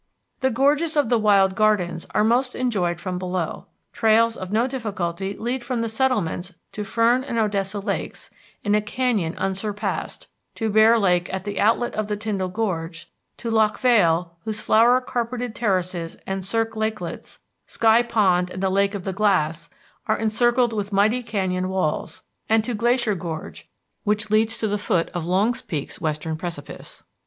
The gorges of the Wild Gardens are most enjoyed from below. Trails of no difficulty lead from the settlements to Fern and Odessa Lakes in a canyon unsurpassed; to Bear Lake at the outlet of the Tyndall Gorge; to Loch Vale, whose flower carpeted terraces and cirque lakelets, Sky Pond and the Lake of Glass, are encircled with mighty canyon walls; and to Glacier Gorge, which leads to the foot of Longs Peak's western precipice.